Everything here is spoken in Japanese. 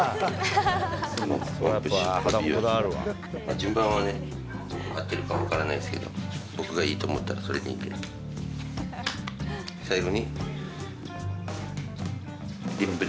順番はね、合ってるか分からないですけど、僕がいいと思ったらそれでいいんで。